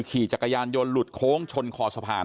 ขี่จักรยานยนต์หลุดโค้งชนคอสะพาน